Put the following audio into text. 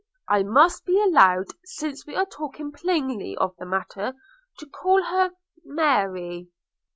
I must be allowed, since we are talking plainly of the matter, to call her Mary.'